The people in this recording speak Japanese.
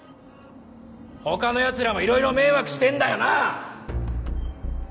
他のヤツらもいろいろ迷惑してんだよなぁ！